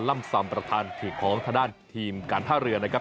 ธันล่ำซัมประธานเขียงของทดานทีมกันภาเรือนะครับ